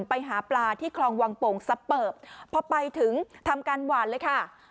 ไปหาปลาที่คลองวังโป่งซับเปิบพอไปถึงทำการหวานเลยค่ะ